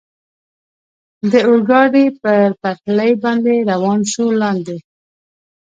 د اورګاډي پر پټلۍ باندې روان شو، لاندې.